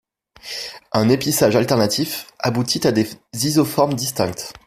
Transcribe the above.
Un épissage alternatif aboutit à des isoformes distinctes.